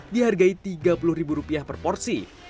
dihargai tiga puluh rupiah per porsi